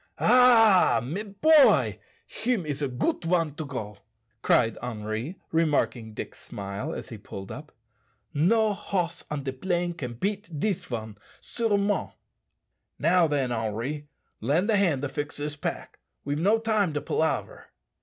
"Ah! mes boy. Him is a goot one to go," cried Henri, remarking Dick's smile as he pulled up. "No hoss on de plain can beat dis one, surement." "Now then, Henri, lend a hand to fix this pack; we've no time to palaver."